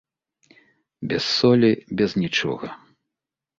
Без солі, без нічога.